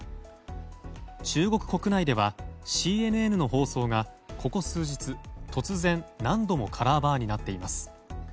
中国国内ではＣＮＮの放送がここ数日、突然何度もカラーバーになっています。